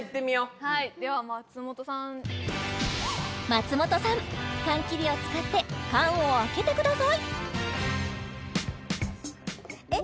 はいでは松本さん松本さん缶切りを使って缶を開けてくださいえっ